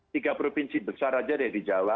tiga provinsi besar aja deh di jawa